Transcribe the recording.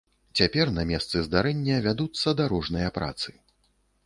Цяпер на месцы здарэння вядуцца дарожныя працы.